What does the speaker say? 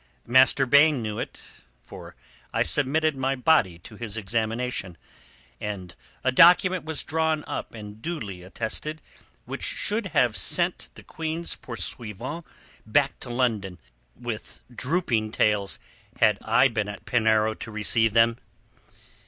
Master Baine knew it, for I submitted my body to his examination, and a document was drawn up and duly attested which should have sent the Queen's pursuivants back to London with drooping tails had I been at Penarrow to receive them."